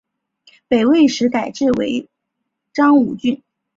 北魏时改置为章武郡。